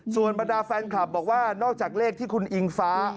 ส่วนบรรดาแฟนคลับบอกว่านอกจากเลขที่คุณอิงฟ้า